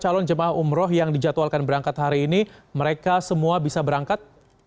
calon jemaah umroh yang dijadwalkan berangkat hari ini mereka semua bisa berangkat